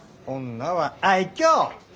女は愛嬌。